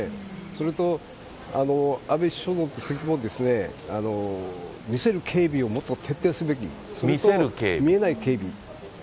それと、安倍首相のときも見せる警備をもっと徹底すべき。と、見えない警備。